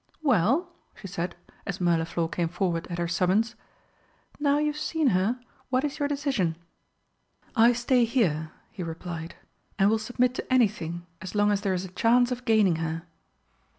"Well," she said, as Mirliflor came forward at her summons, "now you have seen her, what is your decision?" "I stay here," he replied, "and will submit to anything as long as there is a chance of gaining her."